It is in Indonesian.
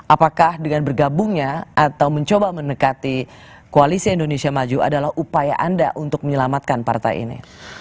apakah dengan bergabungnya atau mencoba mendekati koalisi indonesia maju adalah upaya anda untuk menyelamatkan partai ini